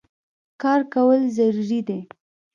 کار کول ضروري دی.